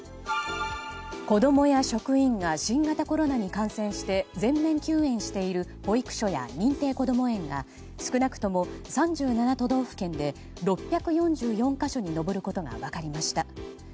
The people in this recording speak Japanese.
子供や職員が新型コロナに感染して全面休園している保育所や認定こども園が少なくとも３７都道府県で６４４か所に上ることが分かりました。